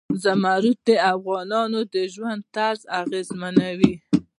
زمرد د افغانانو د ژوند طرز اغېزمنوي.